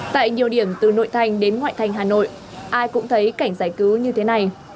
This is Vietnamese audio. tại nhiều điểm từ nội thành đến ngoại thành hà nội ai cũng thấy cảnh giải cứu như thế này